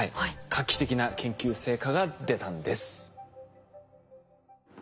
画期的な研究成果が出たんです。